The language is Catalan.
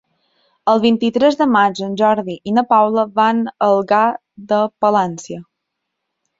El vint-i-tres de maig en Jordi i na Paula van a Algar de Palància.